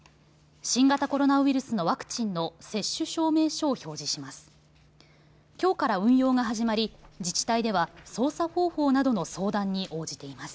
新型コロナウイルスのワクチンの接種証明書を表示します。